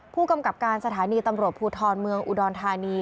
ผู้กำกับการสถานีตำรวจภูทรเมืองอุดรธานี